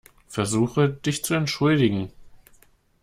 Versuche, dich zu entschuldigen.